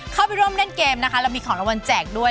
เข้าไปร่วมเล่นเกมนะคะเรามีของรางวัลแจกด้วย